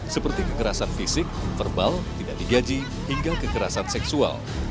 seperti kekerasan fisik verbal tidak digaji hingga kekerasan seksual